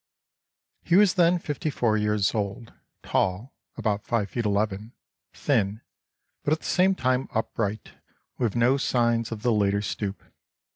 ] "He was then fifty four years old; tall (about five feet eleven), thin, but at the same time upright, with no signs of the later stoop.